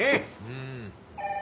うん。